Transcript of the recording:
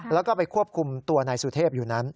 แล้วก็ไปควบคุมตัวนายสุเทพอยู่นั้น